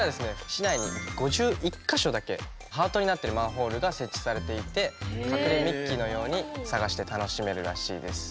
市内に５１か所だけハートになってるマンホールが設置されていて隠れミッキーのように探して楽しめるらしいです。